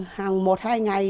hàng một hai ngày